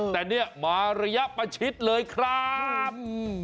แต่เนี่ยมาระยะประชิดเลยครับ